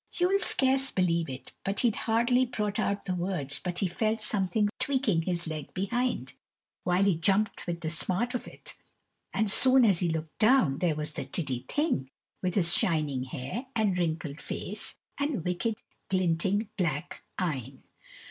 You'll scarce believe it, but he'd hardly brought out the words but he felt something tweaking his leg behind, while he jumped with the smart of it; and soon as he looked down, there was the tiddy thing, with his shining hair, and wrinkled face, and wicked glinting black eyne.